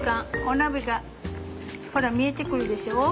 お鍋がほら見えてくるでしょう？